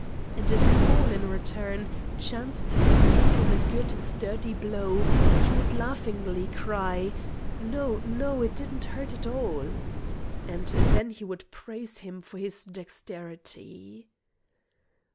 And if Paul, in return, chanced to give him a good sturdy blow, he would laughingly cry, "No, no; it didn't hurt at all!" And then he would praise him for his dexterity.